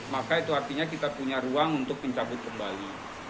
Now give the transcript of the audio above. maka itu artinya kita punya ruang untuk mencabut kembali